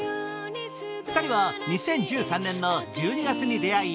２人は２０１３年の１２月に出会い